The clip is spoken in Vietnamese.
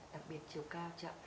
đặc biệt chiều cao chậm